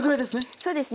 そうですね。